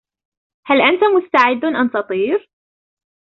هل أنت مستعد أن تطير ؟